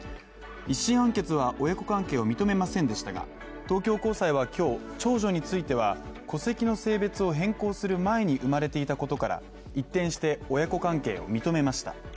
１審判決は親子関係を認めませんでしたが東京高裁は今日、長女については戸籍の性別を変更する前に生まれていたことから一転して親子関係を認めました。